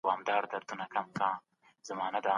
ټولنیز ملاتړ مهم دی.